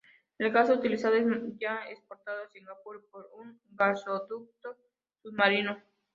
El gas utilizado es ya exportado a Singapur por un gasoducto submarino.